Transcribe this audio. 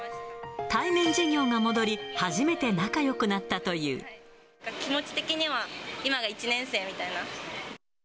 対面授業が戻り、初めて仲よくな気持ち的には今が１年生みたいな。